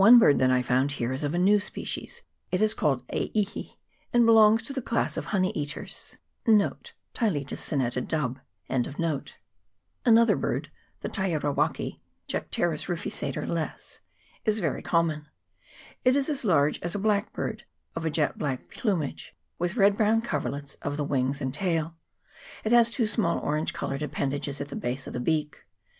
147 bird that I found here is of a new species ; it is called E Ihi, and belongs to the class of the honey eaters. 1 Another bird, the tierawaki (Jcterus * fiiator, Less.), is very common. It is as large as a * V* blackbird, of a jet black plumage, with red brown coverlets of the wings and tail. It has two small orange coloured appendages at the base of the beak.